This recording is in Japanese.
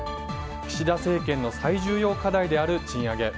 岸田政権の最重要課題である賃上げ。